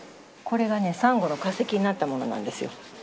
これがねサンゴの化石になったものなんですよ。